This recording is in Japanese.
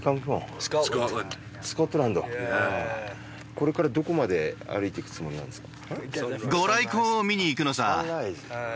これからどこまで歩いていくつもりなんですか？